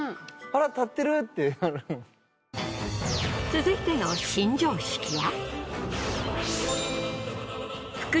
続いての新常識は。